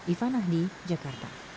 iva nahdi jakarta